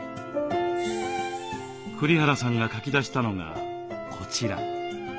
栗原さんが書き出したのがこちら。